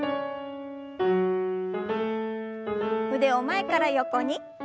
腕を前から横に。